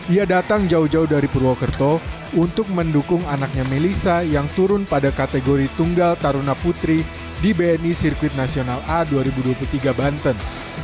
ia datang jauh jauh dari purwokerto untuk mendukung anaknya melissa yang turun pada kategori tunggal taruna putri di bni sirkuit nasional a dua ribu dua puluh tiga banten